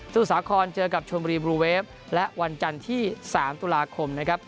สาครเจอกับชมบุรีบลูเวฟและวันจันทร์ที่๓ตุลาคมนะครับ